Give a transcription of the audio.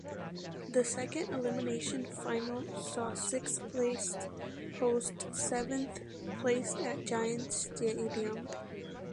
The second elimination final saw sixth placed host seventh placed at Giants Stadium.